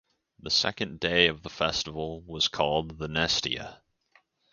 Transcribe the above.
The second day of the festival was called the "nesteia".